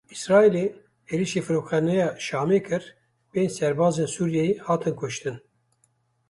Îsraîlê êrişî Firokexaneya Şamê kir pênc serbazên Sûriyeyê hatin kuştin.